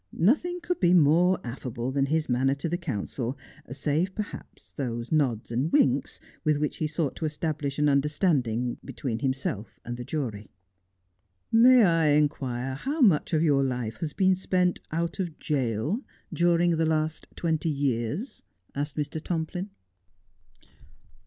Nothing could be more affable than his manner to the counsel, save per haps those nods and winks with which he sought to establish an understanding between himself and the jury. ' May I inquire how much of your life has been spent out of jail during the last twenty years V asked Mr. Tomplin.